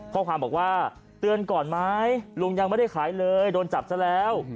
ข้อความบอกว่าเตือนก่อนไหมลุงยังไม่ได้ขายเลยโดนจับซะแล้ว